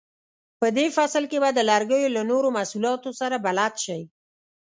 په دې فصل کې به د لرګیو له نورو محصولاتو سره بلد شئ.